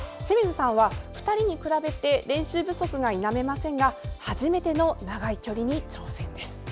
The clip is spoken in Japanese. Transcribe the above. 清水さんは、２人に比べて練習不足が否めませんが初めての長い距離に挑戦です。